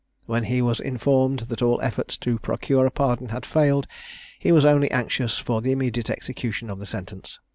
When he was informed that all efforts to procure a pardon had failed, he was only anxious for the immediate execution of the sentence.